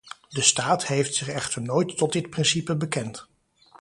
De staat heeft zich echter nooit tot dit principe bekend.